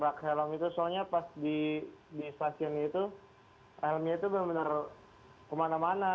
rak helm itu soalnya pas di stasiun itu helmnya itu benar benar kemana mana